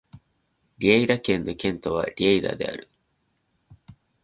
リェイダ県の県都はリェイダである